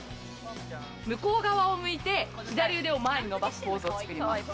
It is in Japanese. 向こう側を向いて左腕を前に伸ばすポーズを作ります。